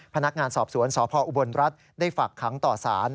พนักงานสอบสวนสพออุบลรัฐได้ฝากขังต่อสาร